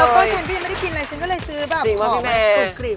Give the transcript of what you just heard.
ยังก็ฉันไม่ได้กินอะไรก็ซื้อ